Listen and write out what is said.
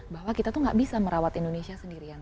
bahwa kita tuh gak bisa merawat indonesia sendirian